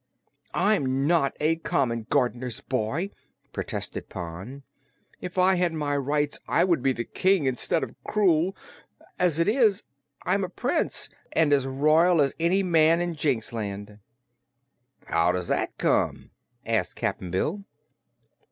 "I'm not a common gardener's boy," protested Pon. "If I had my rights I would be the King instead of Krewl. As it is, I'm a Prince, and as royal as any man in Jinxland." "How does that come?" asked Cap'n Bill.